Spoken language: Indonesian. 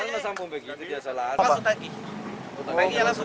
janganlah sambung begini